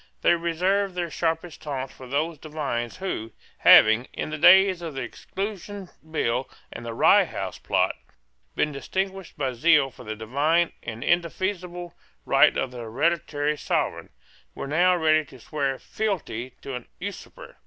They reserved their sharpest taunts for those divines who, having, in the days of the Exclusion Bill and the Rye House Plot, been distinguished by zeal for the divine and indefeasible right of the hereditary Sovereign, were now ready to swear fealty to an usurper.